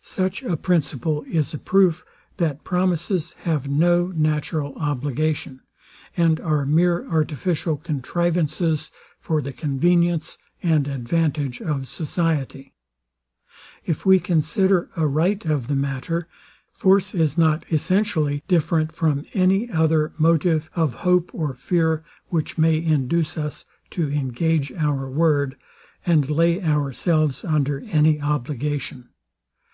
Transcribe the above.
Such a principle is a proof, that promises have no natural obligation, and are mere artificial contrivances for the convenience and advantage of society. If we consider aright of the matter, force is not essentially different from any other motive of hope or fear, which may induce us to engage our word, and lay ourselves under any obligation.